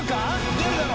出るだろ？